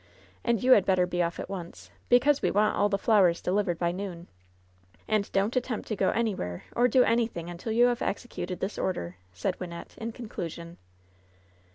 And you had better be off at once, because we want all the flowers delivered by noon. And donH attempt to go anywhere or do anything until you have executed this order," said Wynnette, in conclusion.